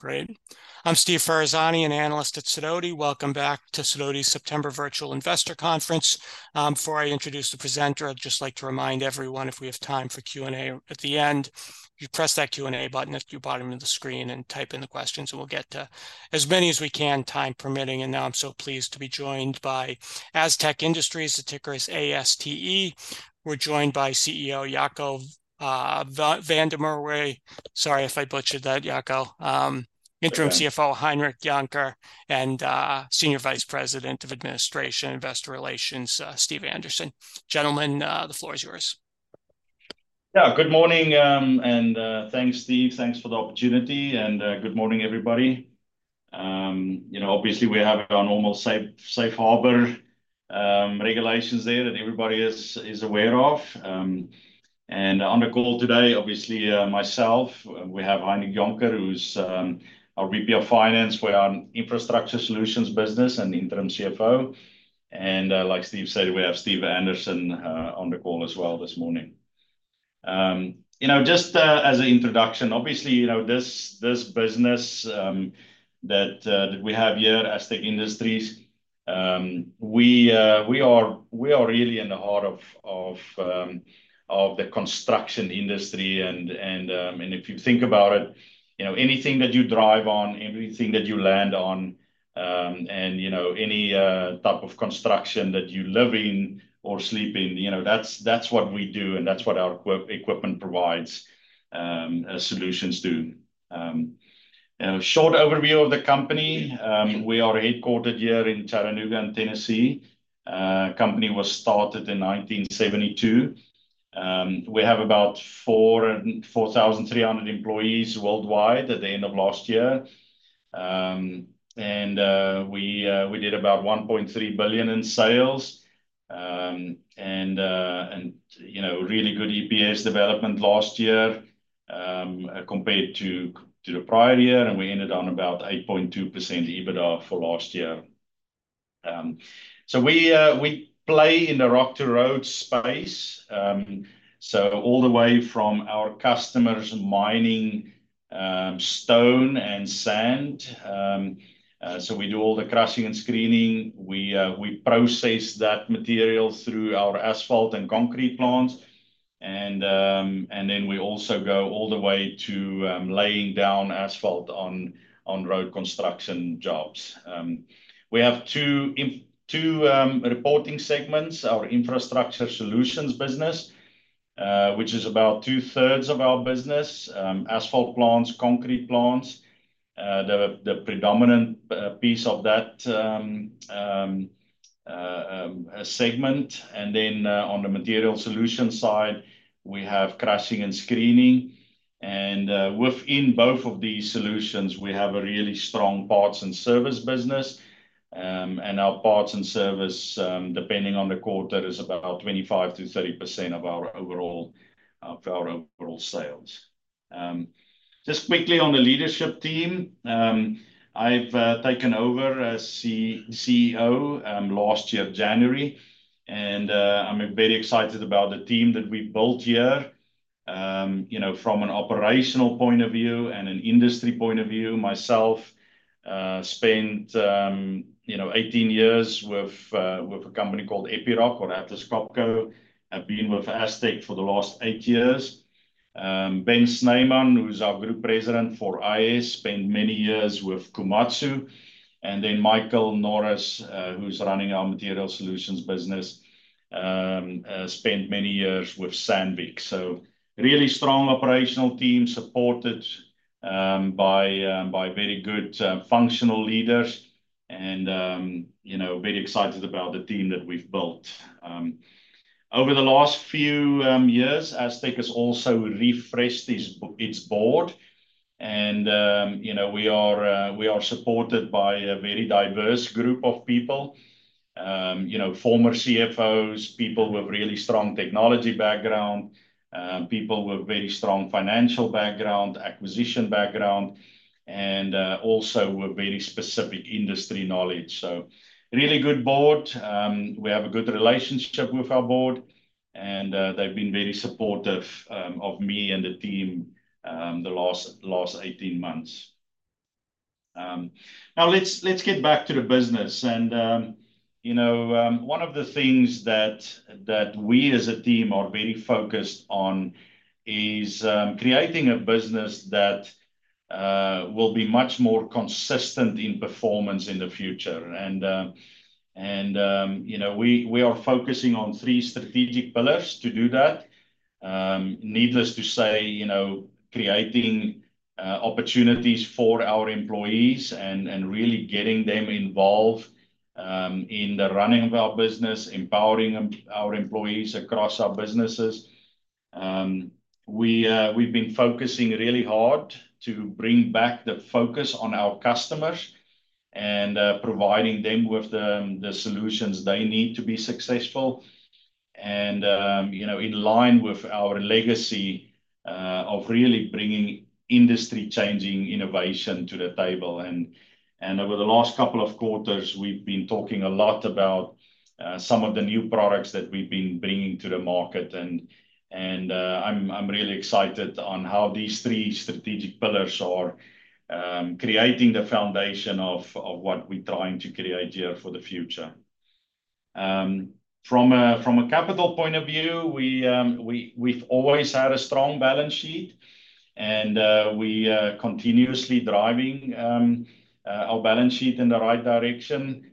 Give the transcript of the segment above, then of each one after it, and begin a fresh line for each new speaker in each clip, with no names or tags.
Great. I'm Steve Ferazani, an Analyst at Sidoti. Welcome back to Sidoti's September Virtual Investor Conference. Before I introduce the presenter, I'd just like to remind everyone, if we have time for Q&A at the end, you press that Q&A button at the bottom of the screen and type in the questions, and we'll get to as many as we can, time permitting. And now I'm so pleased to be joined by Astec Industries, the ticker is ASTE. We're joined by CEO Jaco van der Merwe. Sorry if I butchered that, Jaco.
That's okay.
Interim CFO, Heinrich Jonker, and Senior Vice President of Administration Investor Relations, Steve Anderson. Gentlemen, the floor is yours.
Yeah. Good morning, and thanks, Steve. Thanks for the opportunity, and good morning, everybody. You know, obviously, we have our normal safe harbor regulations there that everybody is aware of, and on the call today, obviously, myself, we have Heinrich Jonker, who's our VP of Finance for our Infrastructure Solutions business and Interim CFO, and like Steve said, we have Steve Anderson on the call as well this morning. You know, just as an introduction, obviously, you know, this business that we have here, Astec Industries, we are really in the heart of the construction industry. If you think about it, you know, anything that you drive on, everything that you land on, and you know, any type of construction that you live in or sleep in, you know, that's what we do, and that's what our equipment provides solutions to. A short overview of the company. We are headquartered here in Chattanooga, in Tennessee. Company was started in 1972. We have about four thousand three hundred employees worldwide at the end of last year. We did about $1.3 billion in sales. You know, really good EPS development last year compared to the prior year, and we ended on about 8.2% EBITDA for last year. We play in the Rock to Road space. All the way from our customers mining stone and sand, we do all the crushing and screening. We process that material through our asphalt and concrete plants, and then we also go all the way to laying down asphalt on road construction jobs. We have two reporting segments: our Infrastructure Solutions business, which is about two-thirds of our business, asphalt plants, concrete plants, the predominant piece of that segment, and then on the Materials Solutions side, we have crushing and screening, and within both of these solutions, we have a really strong parts and service business. And our parts and service, depending on the quarter, is about 25%-30% of our overall sales. Just quickly on the leadership team, I've taken over as CEO last year, January, and I'm very excited about the team that we built here. You know, from an operational point of view and an industry point of view, myself spent you know eighteen years with a company called Epiroc or Atlas Copco. I've been with Astec for the last eight years. Ben Schneemann, who's our Group President for IS, spent many years with Komatsu, and then Michael Norris, who's running our Materials Solutions business, spent many years with Sandvik. So really strong operational team, supported by very good functional leaders and, you know, very excited about the team that we've built. Over the last few years, Astec has also refreshed its board and, you know, we are supported by a very diverse group of people. You know, former CFOs, people with really strong technology background, people with very strong financial background, acquisition background, and also with very specific industry knowledge. So really good board. We have a good relationship with our board, and they've been very supportive of me and the team the last eighteen months. Now let's get back to the business. And you know, one of the things that we as a team are very focused on is creating a business that will be much more consistent in performance in the future. And you know, we are focusing on three strategic pillars to do that. Needless to say, you know, creating opportunities for our employees and really getting them involved in the running of our business, empowering them, our employees across our businesses. We have been focusing really hard to bring back the focus on our customers and providing them with the solutions they need to be successful and you know, in line with our legacy of really bringing industry-changing innovation to the table. Over the last couple of quarters, we've been talking a lot about some of the new products that we've been bringing to the market. I'm really excited on how these three strategic pillars are creating the foundation of what we're trying to create here for the future. From a capital point of view, we've always had a strong balance sheet and we are continuously driving our balance sheet in the right direction.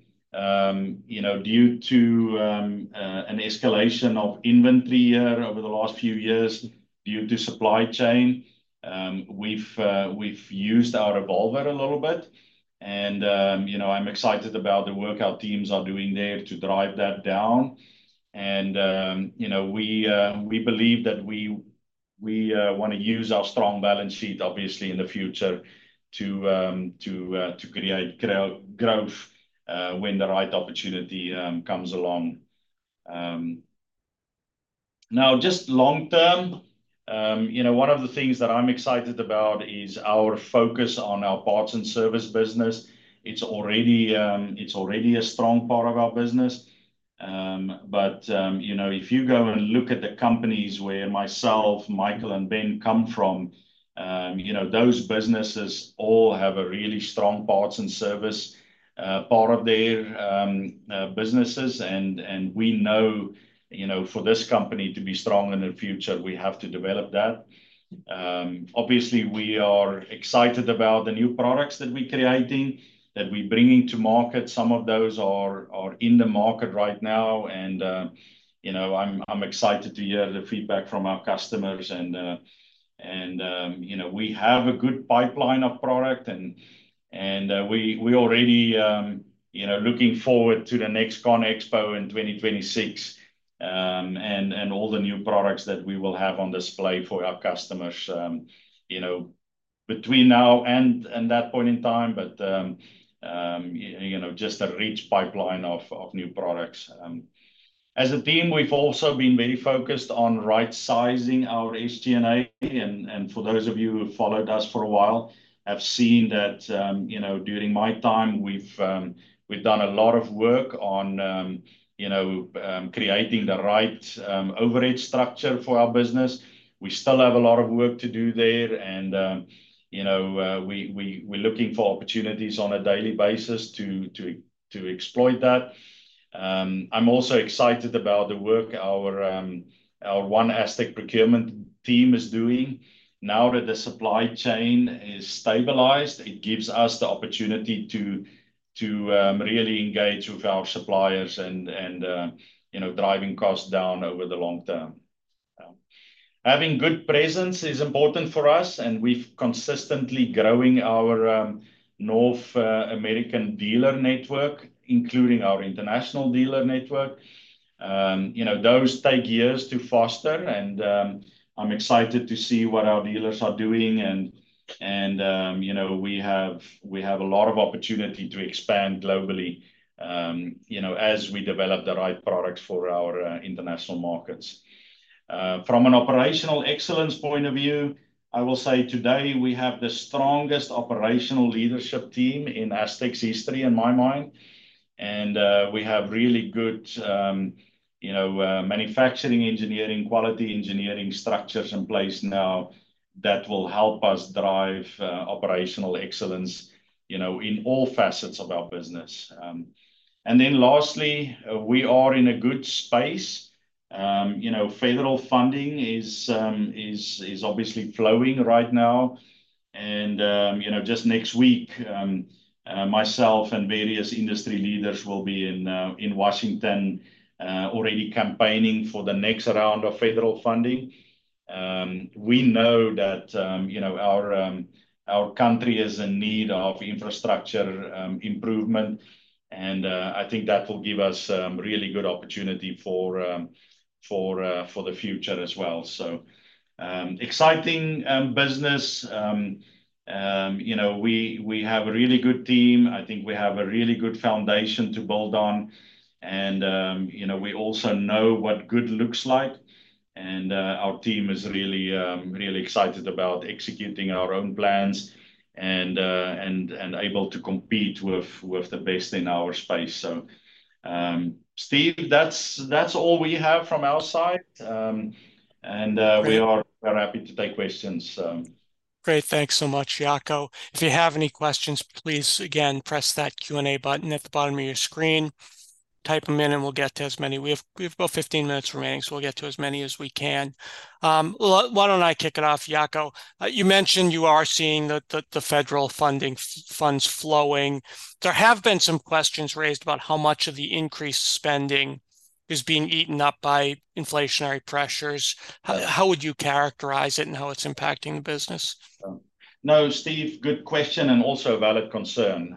You know, due to an escalation of inventory over the last few years due to supply chain, we've used our revolver a little bit and, you know, I'm excited about the work our teams are doing there to drive that down. You know, we believe that we wanna use our strong balance sheet obviously in the future to create growth when the right opportunity comes along. Now, just long term, you know, one of the things that I'm excited about is our focus on our parts and service business. It's already a strong part of our business. You know, if you go and look at the companies where myself, Michael, and Ben come from, you know, those businesses all have a really strong parts and service part of their businesses and we know, you know, for this company to be strong in the future, we have to develop that. Obviously, we are excited about the new products that we're creating, that we're bringing to market. Some of those are in the market right now and, you know, I'm excited to hear the feedback from our customers and, you know, we have a good pipeline of product and we already, you know, looking forward to the next ConExpo in 2026, and all the new products that we will have on display for our customers, you know, between now and that point in time. But, you know, just a rich pipeline of new products. As a team, we've also been very focused on right-sizing our SG&A, and for those of you who followed us for a while, have seen that, you know, during my time, we've done a lot of work on, you know, creating the right overhead structure for our business. We still have a lot of work to do there and, you know, we're looking for opportunities on a daily basis to exploit that. I'm also excited about the work our OneASTEC procurement team is doing. Now that the supply chain is stabilized, it gives us the opportunity to really engage with our suppliers and, you know, driving costs down over the long term. Having good presence is important for us, and we've consistently growing our North American dealer network, including our international dealer network. You know, those take years to foster and I'm excited to see what our dealers are doing and you know, we have a lot of opportunity to expand globally, you know, as we develop the right products for our international markets. From an operational excellence point of view, I will say today we have the strongest operational leadership team in Astec's history, in my mind, and we have really good you know manufacturing engineering, quality engineering structures in place now that will help us drive operational excellence, you know, in all facets of our business. And then lastly, we are in a good space. You know, federal funding is obviously flowing right now and, you know, just next week, myself and various industry leaders will be in Washington, D.C. already campaigning for the next round of federal funding. We know that, you know, our country is in need of infrastructure improvement, and I think that will give us really good opportunity for the future as well. Exciting business. You know, we have a really good team. I think we have a really good foundation to build on and, you know, we also know what good looks like and our team is really excited about executing our own plans and able to compete with the best in our space. So, Steve, that's all we have from our side, and we are very happy to take questions.
Great. Thanks so much, Jaco. If you have any questions, please again, press that Q&A button at the bottom of your screen. Type them in, and we'll get to as many... We have about 15 minutes remaining, so we'll get to as many as we can. Why don't I kick it off, Jaco? You mentioned you are seeing the federal funds flowing. There have been some questions raised about how much of the increased spending is being eaten up by inflationary pressures. How would you characterize it and how it's impacting the business?
No, Steve, good question, and also a valid concern.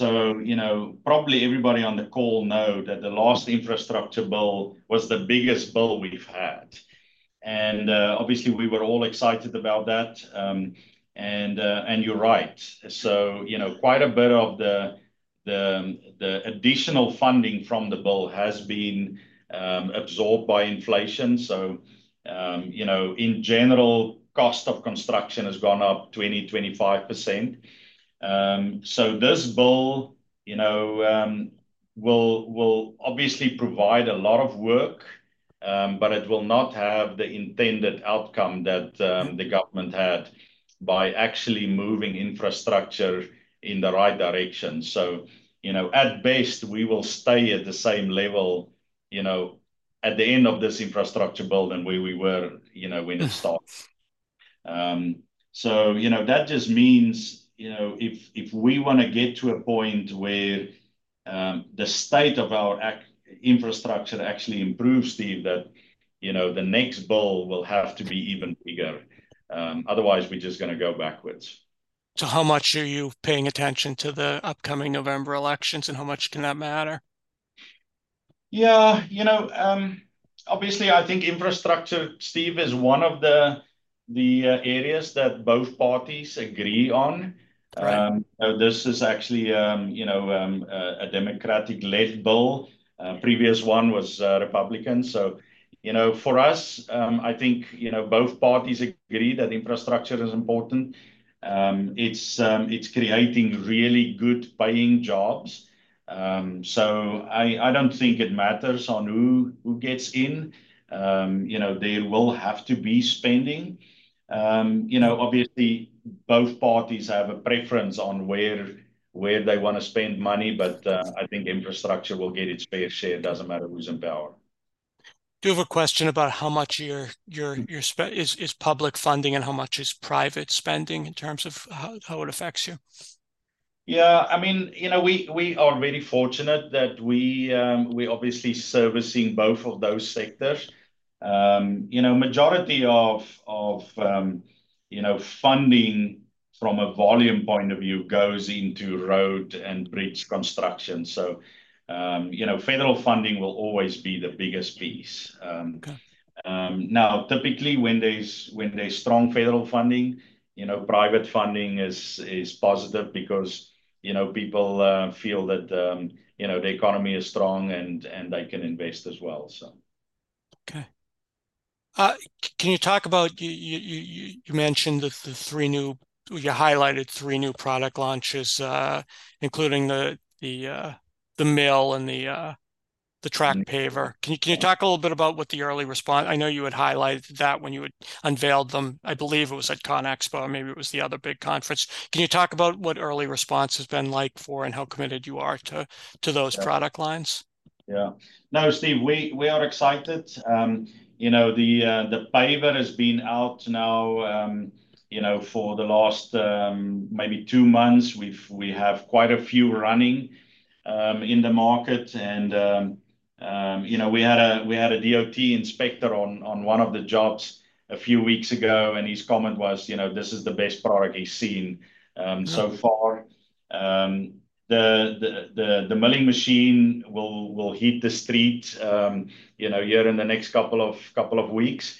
You know, probably everybody on the call know that the last infrastructure bill was the biggest bill we've had, and obviously we were all excited about that, and you're right, so you know, quite a bit of the additional funding from the bill has been absorbed by inflation, so you know, in general, cost of construction has gone up 20-25%, so this bill, you know, will obviously provide a lot of work, but it will not have the intended outcome that the government had by actually moving infrastructure in the right direction, so you know, at best, we will stay at the same level, you know, when it starts. So, you know, that just means, you know, if we wanna get to a point where the state of our infrastructure actually improves, Steve, that, you know, the next bill will have to be even bigger. Otherwise, we're just gonna go backwards.
So how much are you paying attention to the upcoming November elections, and how much can that matter?
Yeah, you know, obviously, I think infrastructure, Steve, is one of the areas that both parties agree on.
Right.
This is actually, you know, a Democratic-led bill. Previous one was Republican. So, you know, for us, I think, you know, both parties agree that infrastructure is important. It's creating really good-paying jobs. So I don't think it matters on who gets in. You know, they will have to be spending. You know, obviously, both parties have a preference on where they wanna spend money, but I think infrastructure will get its fair share. It doesn't matter who's in power.
Do you have a question about how much of your spending is public funding and how much is private spending in terms of how it affects you?
Yeah, I mean, you know, we are very fortunate that we, we're obviously servicing both of those sectors. You know, majority of funding from a volume point of view goes into road and bridge construction. So, you know, federal funding will always be the biggest piece.
Okay.
Now, typically, when there's strong federal funding, you know, private funding is positive because, you know, people feel that, you know, the economy is strong and they can invest as well, so...
Okay. Can you talk about, you mentioned the three new... You highlighted three new product launches, including the mill and the track paver.
Mm-hmm.
Can you talk a little bit about what the early response- I know you had highlighted that when you had unveiled them. I believe it was at ConExpo, or maybe it was the other big conference. Can you talk about what early response has been like for and how committed you are to those-
Yeah...
product lines?
Yeah. No, Steve, we are excited. You know, the paver has been out now, you know, for the last maybe two months. We have quite a few running in the market. And, you know, we had a DOT inspector on one of the jobs a few weeks ago, and his comment was, you know, this is the best product he's seen so far.
Mm.
The milling machine will hit the street, you know, here in the next couple of weeks.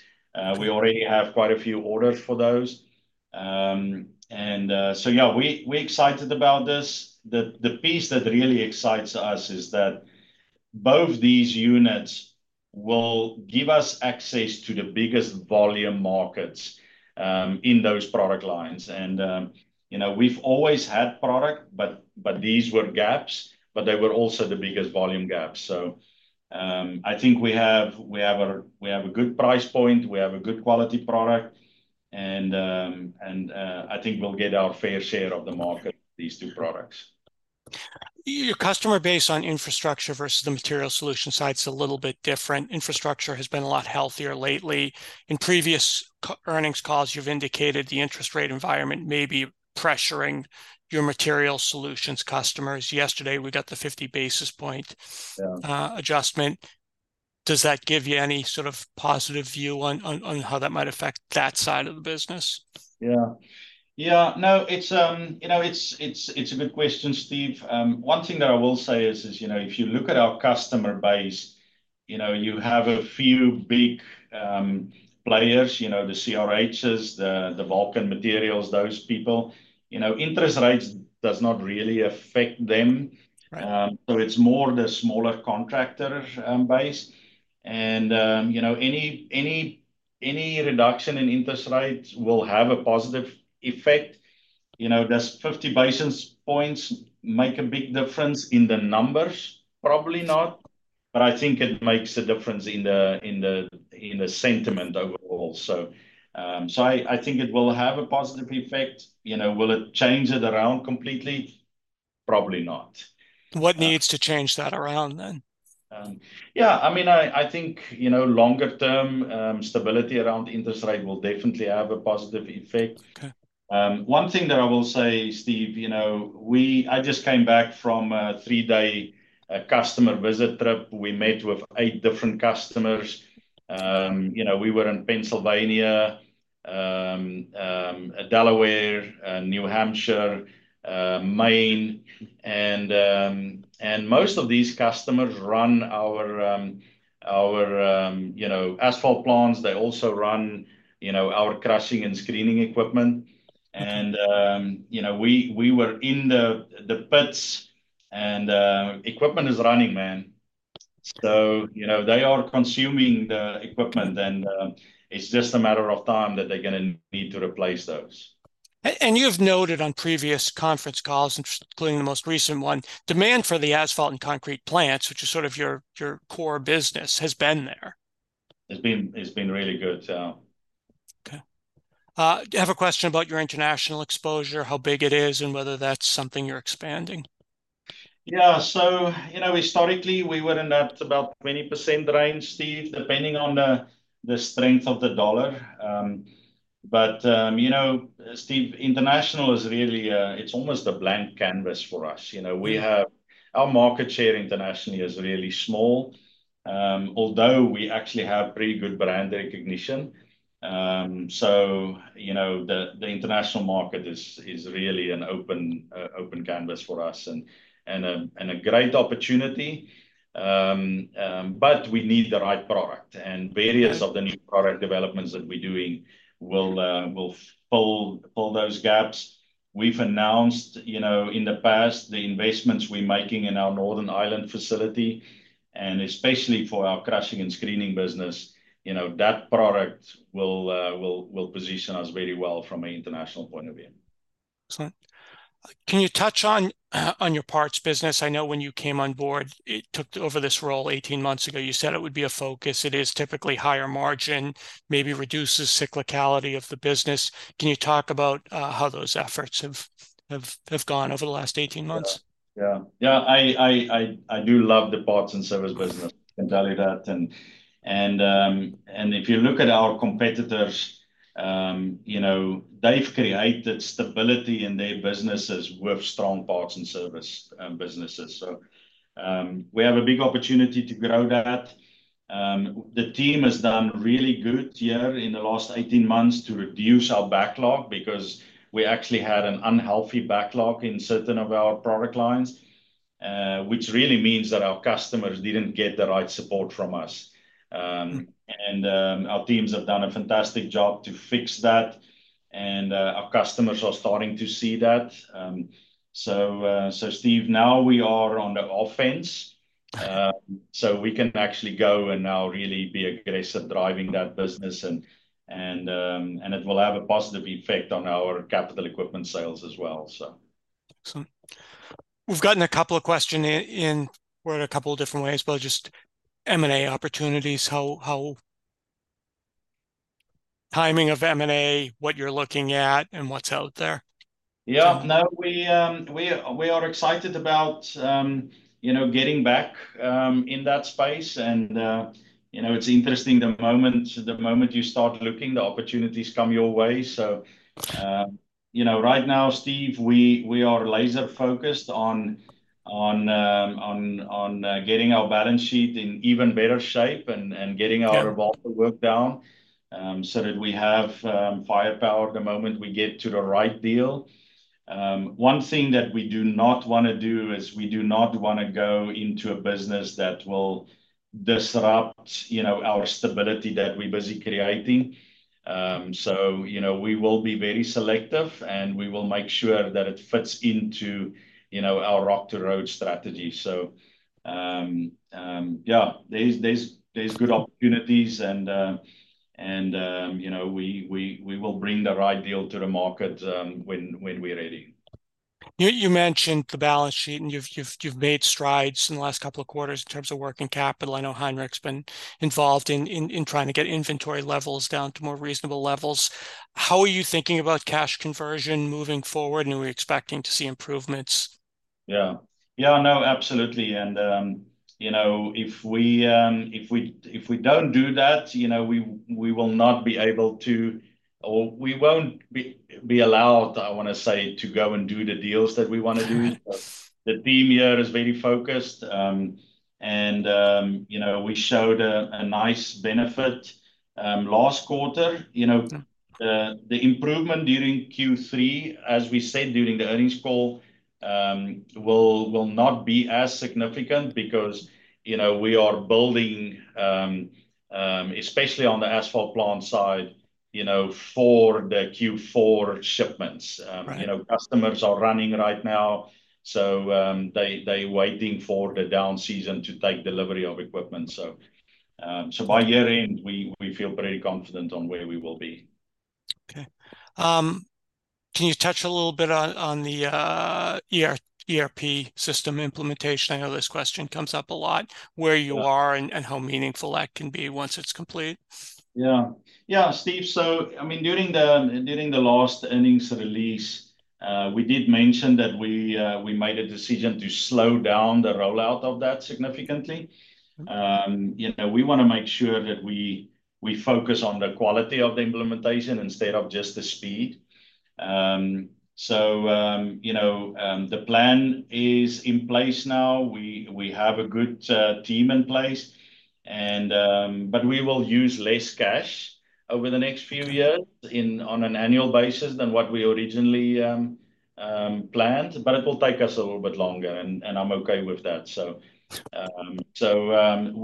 We already have quite a few orders for those, and so yeah, we're excited about this. The piece that really excites us is that both these units will give us access to the biggest volume markets in those product lines. You know, we've always had product, but these were gaps, but they were also the biggest volume gaps. I think we have a good price point, we have a good quality product, and I think we'll get our fair share of the market, these two products.
Your customer base on Infrastructure versus the Materials Solutions side's a little bit different. Infrastructure has been a lot healthier lately. In previous earnings calls, you've indicated the interest rate environment may be pressuring your Materials Solutions customers. Yesterday, we got the 50 basis point-
Yeah...
adjustment. Does that give you any sort of positive view on how that might affect that side of the business?
Yeah. Yeah, no, it's you know, it's a good question, Steve. One thing that I will say is you know, if you look at our customer base, you know, you have a few big players, you know, the CRHs, the Vulcan Materials, those people. You know, interest rates does not really affect them.
Right.
So it's more the smaller contractor base. And you know, any reduction in interest rates will have a positive effect. You know, does 50 basis points make a big difference in the numbers? Probably not. But I think it makes a difference in the sentiment overall. So I think it will have a positive effect. You know, will it change it around completely? Probably not.
What needs to change that around then?
Yeah, I mean, I think, you know, longer-term, stability around interest rate will definitely have a positive effect.
Okay.
One thing that I will say, Steve, you know, I just came back from a three-day customer visit trip. We met with eight different customers. You know, we were in Pennsylvania, Delaware, New Hampshire, Maine, and most of these customers run our asphalt plants. They also run, you know, our crushing and screening equipment.
Mm.
You know, we were in the pits, and equipment is running, man. So, you know, they are consuming the equipment, and it's just a matter of time that they're gonna need to replace those....
And you've noted on previous conference calls, including the most recent one, demand for the asphalt and concrete plants, which is sort of your core business, has been there.
It's been really good, so.
Okay. I have a question about your international exposure, how big it is, and whether that's something you're expanding?
Yeah, so, you know, historically, we were in that about 20% range, Steve, depending on the strength of the dollar. But, you know, Steve, international is really, it's almost a blank canvas for us. You know, we have our market share internationally is really small. Although we actually have pretty good brand recognition. So, you know, the international market is really an open canvas for us and a great opportunity. But we need the right product, and various of the new product developments that we're doing will fill those gaps. We've announced, you know, in the past, the investments we're making in our Northern Ireland facility, and especially for our crushing and screening business, you know, that product will position us very well from an international point of view.
Excellent. Can you touch on your parts business? I know when you came on board and took over this role 18 months ago, you said it would be a focus. It is typically higher margin, maybe reduces cyclicality of the business. Can you talk about how those efforts have gone over the last 18 months?
Yeah. Yeah, I do love the parts and service business, I can tell you that. If you look at our competitors, you know, they've created stability in their businesses with strong parts and service businesses. So, we have a big opportunity to grow that. The team has done really good here in the last 18 months to reduce our backlog, because we actually had an unhealthy backlog in certain of our product lines, which really means that our customers didn't get the right support from us.
Mm....
and our teams have done a fantastic job to fix that, and our customers are starting to see that. So Steve, now we are on the offense.
Yeah.
So we can actually go and now really be aggressive driving that business and it will have a positive effect on our capital equipment sales as well, so.
Excellent. We've gotten a couple of questions in, well in a couple of different ways, but just M&A opportunities. How... timing of M&A, what you're looking at, and what's out there?
Yeah. No, we are excited about, you know, getting back in that space. And, you know, it's interesting, the moment you start looking, the opportunities come your way. So, you know, right now, Steve, we are laser focused on getting our balance sheet in even better shape and
Yeah...
getting our revolver work down, so that we have firepower the moment we get to the right deal. One thing that we do not wanna do is we do not wanna go into a business that will disrupt, you know, our stability that we're busy creating. So, you know, we will be very selective, and we will make sure that it fits into, you know, our Rock to Road strategy. So, yeah, there's good opportunities and, you know, we will bring the right deal to the market, when we're ready.
You mentioned the balance sheet, and you've made strides in the last couple of quarters in terms of working capital. I know Heinrich's been involved in trying to get inventory levels down to more reasonable levels. How are you thinking about cash conversion moving forward, and are we expecting to see improvements?
Yeah. Yeah, no, absolutely. And, you know, if we don't do that, you know, we will not be able to... or we won't be allowed, I wanna say, to go and do the deals that we wanna do.
Right.
The team here is very focused. You know, we showed a nice benefit last quarter. You know-
Mm
the improvement during Q3, as we said during the earnings call, will not be as significant because, you know, we are building, especially on the asphalt plant side, you know, for the Q4 shipments.
Right...
you know, customers are running right now, so, they, they're waiting for the down season to take delivery of equipment. So by year end, we feel pretty confident on where we will be.
Okay. Can you touch a little bit on the ERP system implementation? I know this question comes up a lot, where you are-
Yeah...
and how meaningful that can be once it's complete.
Yeah. Yeah, Steve, so I mean, during the last earnings release, we did mention that we made a decision to slow down the rollout of that significantly.
Mm.
You know, we wanna make sure that we focus on the quality of the implementation instead of just the speed. You know, the plan is in place now. We have a good team in place, but we will use less cash over the next few years-
Okay...
in on an annual basis than what we originally planned, but it will take us a little bit longer, and I'm okay with that. So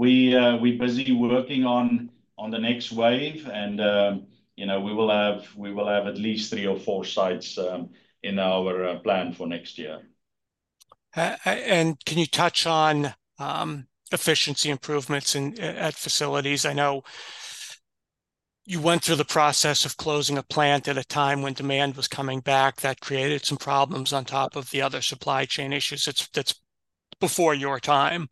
we're busy working on the next wave and, you know, we will have at least three or four sites in our plan for next year....
And can you touch on efficiency improvements in at facilities? I know you went through the process of closing a plant at a time when demand was coming back. That created some problems on top of the other supply chain issues. That's before your time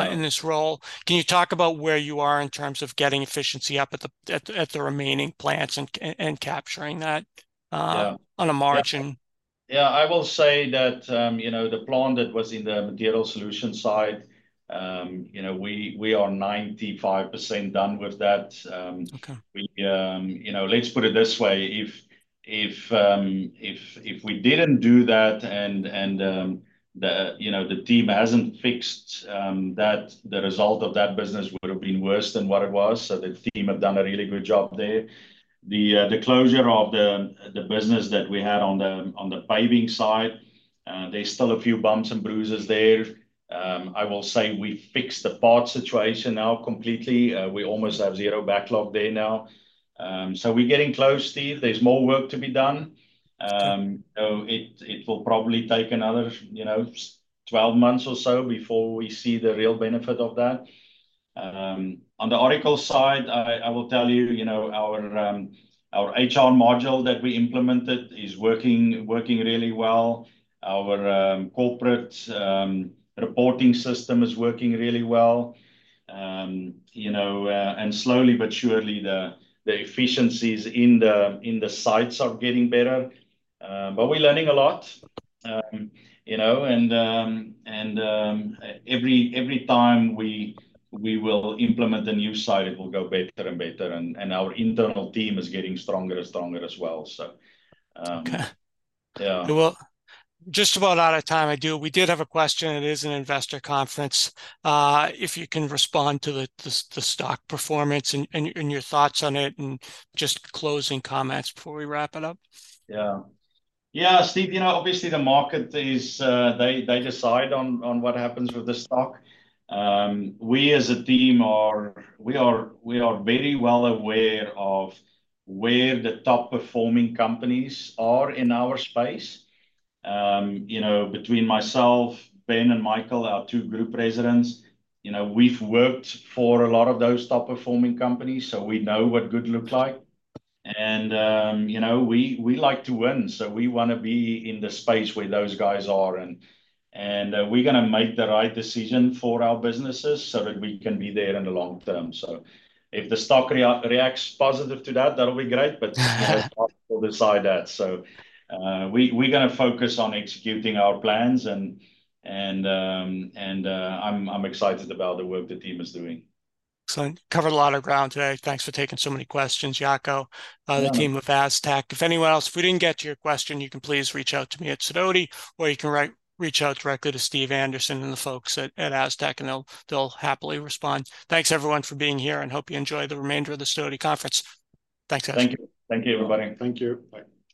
in this role. Can you talk about where you are in terms of getting efficiency up at the remaining plants and capturing that
Yeah
on a margin?
Yeah, I will say that, you know, the plant that was in the Materials Solutions side, you know, we are 95% done with that.
Okay.
You know, let's put it this way: if we didn't do that and, you know, the team hasn't fixed that, the result of that business would have been worse than what it was. So the team have done a really good job there. The closure of the business that we had on the paving side, there's still a few bumps and bruises there. I will say we've fixed the parts situation now completely. We almost have zero backlog there now. So we're getting close, Steve. There's more work to be done.
Sure.
So it will probably take another, you know, 12 months or so before we see the real benefit of that. On the Oracle side, I will tell you, you know, our HR module that we implemented is working really well. Our corporate reporting system is working really well. You know, and slowly but surely, the efficiencies in the sites are getting better. But we're learning a lot. You know, and every time we will implement a new site, it will go better and better, and our internal team is getting stronger and stronger as well, so.
Okay.
Yeah.
Just about out of time. We did have a question. It is an investor conference. If you can respond to the stock performance and your thoughts on it, and just closing comments before we wrap it up.
Yeah. Yeah, Steve, you know, obviously the market is. They decide on what happens with the stock. We as a team are very well aware of where the top-performing companies are in our space. You know, between myself, Ben, and Michael, our two group presidents, you know, we've worked for a lot of those top-performing companies, so we know what good looks like. And, you know, we like to win, so we wanna be in the space where those guys are. And we're gonna make the right decision for our businesses so that we can be there in the long term. So if the stock reacts positive to that, that'll be great, but we'll decide that. We're gonna focus on executing our plans, and I'm excited about the work the team is doing.
Excellent. Covered a lot of ground today. Thanks for taking so many questions, Jaco-
Yeah...
the team of Astec. If anyone else, if we didn't get to your question, you can please reach out to me at Sidoti, or you can reach out directly to Steve Anderson and the folks at Astec, and they'll happily respond. Thanks, everyone, for being here, and hope you enjoy the remainder of the Sidoti conference. Thanks, guys.
Thank you. Thank you, everybody. Thank you. Bye.